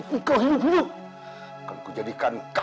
lahir orang tua di sini